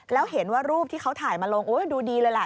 แล้วเห็นว่ารูปที่เขาถ่ายมาลงโอ้ยดูดีเลยแหละ